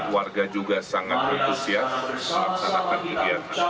warga juga sangat berkhusus